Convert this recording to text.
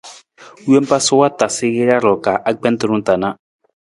Wompa sa wa tasu jara ka agbentung ta na.